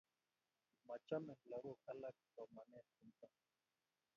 Machame lagok alak somanet nitok